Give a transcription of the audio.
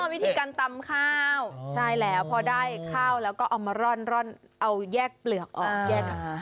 วิธีการตำข้าวใช่แล้วพอได้ข้าวแล้วก็เอามาร่อนเอาแยกเปลือกออกแยกออกมา